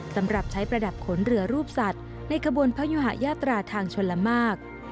สำหรับใช้ประดับขนเรือรูปสัตว์ในขบวนพระยุหายาตราทางชนละมาก